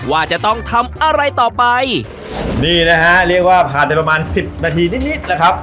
ว่าจะต้องทำอะไรต่อไปนี่นะฮะเรียกว่าผ่านไปประมาณสิบนาทีนิดนิดนะครับ